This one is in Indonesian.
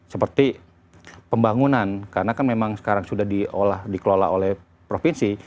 seperti pembangunan karena kan memang sekarang sudah dikelola oleh provinsi